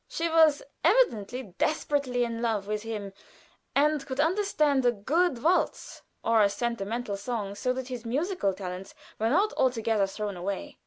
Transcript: She was evidently desperately in love with him, and could understand a good waltz or a sentimental song, so that his musical talents were not altogether thrown away.